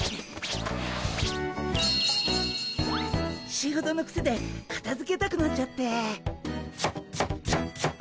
仕事のクセでかたづけたくなっちゃって。